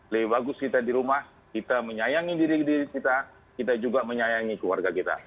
lebih bagus kita di rumah kita menyayangi diri diri kita kita juga menyayangi keluarga kita